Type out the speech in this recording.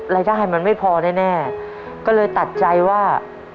รายค่าใหญ่มันไม่พอแน่แน่ก็เลยตัดใจว่า